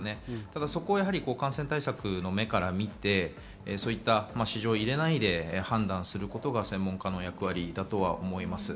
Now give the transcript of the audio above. そこを感染対策の目から見て、私情を入れないで判断することが専門家の役割だとは思います。